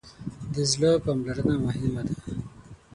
د زړه پاملرنه مهمه ده.